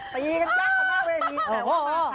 ตีกันยากกันมากเลยอีกแต่ว่าคราวนี้แต่